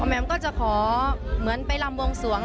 แมมก็จะขอเหมือนไปลำวงสวง